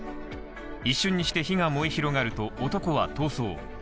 一瞬にして火が燃え広がると、男は逃走。